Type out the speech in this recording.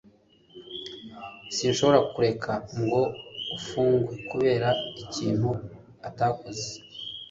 Sinshobora kureka ngo afungwe kubera ikintu atakoze.